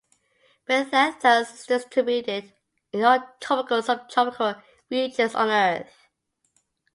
"Phyllanthus" is distributed in all tropical and subtropical regions on Earth.